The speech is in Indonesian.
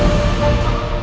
atau justru rina anak saya